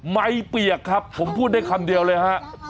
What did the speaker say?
ไม่เปียกครับผมพูดได้คำเดียวเลยฮะ